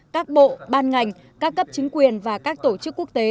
các bộ ban ngành các cấp chính quyền và các tổ chức quốc tế